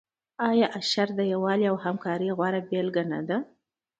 آیا اشر د یووالي او همکارۍ غوره بیلګه نه ده؟